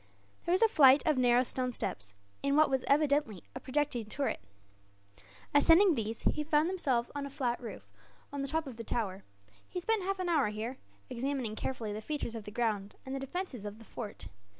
There was a flight of narrow stone steps, in what was evidently a projecting turret. Ascending these, he found himself on a flat roof, on the top of the tower. He spent half an hour here, examining carefully the features of the ground and the defences of the fort.